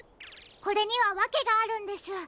これにはわけがあるんです。